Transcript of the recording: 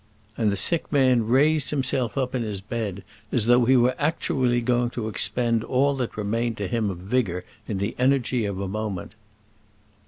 And the sick man raised himself up in his bed as though he were actually going to expend all that remained to him of vigour in the energy of a moment.